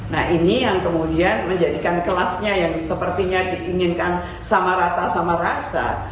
nah ini yang kemudian menjadikan kelasnya yang sepertinya diinginkan sama rata sama rasa